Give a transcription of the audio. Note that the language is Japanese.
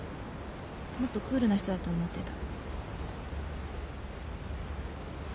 もっとクールな人だと思ってた。